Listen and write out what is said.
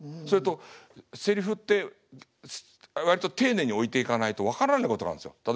それとセリフって割と丁寧に置いていかないと分からないことがあるんですよ。